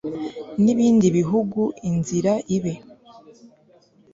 n'ibindi bihugu, inzira ibe